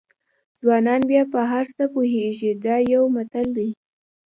ځوانان بیا په هر څه پوهېږي دا یو متل دی.